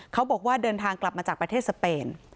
เขาบอกว่าเดินทางกลับมาจากประเทศสเปน